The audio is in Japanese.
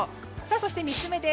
そして３つ目。